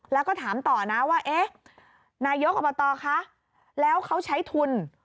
แล้วก็ถามต่อนะว่าเอ๊ะนายกอบตคะแล้วเขาใช้ทุน